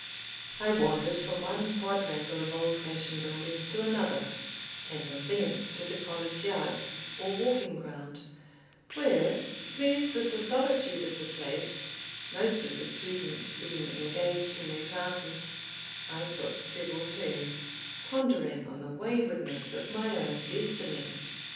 I wandered from one quadrangle of old fashioned buildings to another, and from thence to the College yards, or walking ground, where, pleased with the solitude of the place, most of the students being engaged in their classes, I took several turns, pondering on the waywardness of my own destiny.